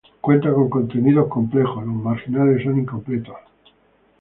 Cuenta con contenidos complejos, los marginales son incompletos.